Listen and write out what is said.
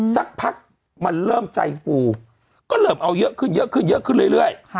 สักพักมันเริ่มใจฟูก็เริ่มเอาเยอะขึ้นเรื่อย